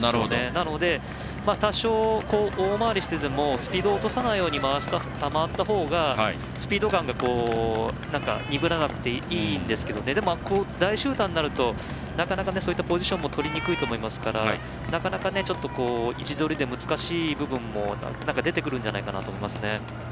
なので、多少、大回りしてでもスピードを落とさないように回った方がスピード感が鈍らなくていいんですけどでも、大集団になるとなかなかそういうポジションもとりにくいと思いますからなかなか位置取りで難しい部分も出てくるんじゃないかなと思います。